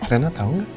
reina tahu enggak